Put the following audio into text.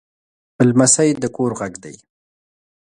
لمسی د کور غږ دی.